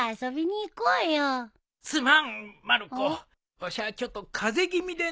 わしはちょっと風邪気味でのう。